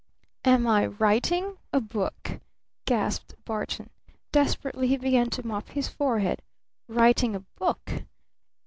"Am I writing a book?" gasped Barton. Desperately he began to mop his forehead. "Writing a book?